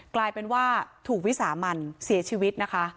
กลายเป็นว่าถูกวิสามันเสียชีวิตนะคะ